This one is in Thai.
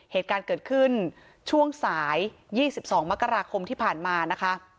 เหตุการณ์เกิดขึ้นช่วงสาย๒๒มกราคมที่ผ่านมานะคะ